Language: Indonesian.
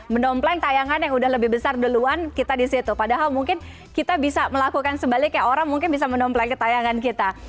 menompleng tayangan yang udah lebih besar duluan kita di situ padahal mungkin kita bisa melakukan sebaliknya orang mungkin bisa menompleng ke tayangan kita